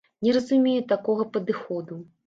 Не разумею такога падыходу.